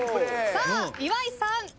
さあ岩井さん。